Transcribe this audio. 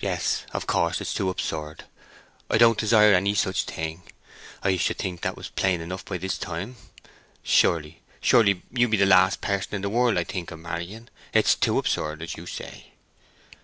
"Yes; of course, it is too absurd. I don't desire any such thing; I should think that was plain enough by this time. Surely, surely you be the last person in the world I think of marrying. It is too absurd, as you say."